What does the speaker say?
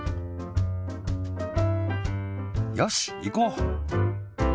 よしいこう！